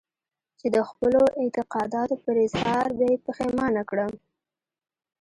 چې د خپلو اعتقاداتو پر اظهار به يې پښېمانه کړم.